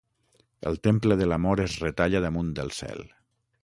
El temple de l'Amor es retalla damunt del cel.